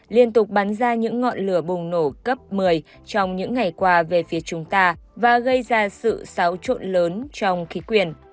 liên tục bắn ra những ngọn lửa bùng nổ cấp một mươi trong những ngày qua về phía chúng ta và gây ra sự xáo trộn lớn trong khí quyển